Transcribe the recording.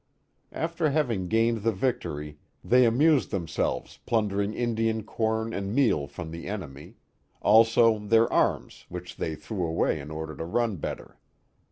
After having gained the victory, they amused themselves plunder ing Indian corn and meal from the enemy; also their arms which they threw away in order to run better.